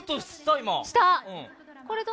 今。